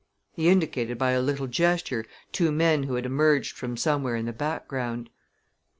He indicated by a little gesture two men who had emerged from somewhere in the background.